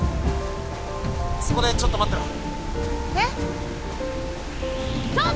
そこでちょっと待ってろえッ